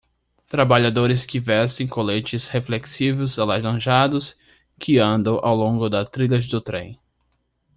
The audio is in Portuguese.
Trabalhadores que vestem coletes reflexivos alaranjados que andam ao longo das trilhas do trem.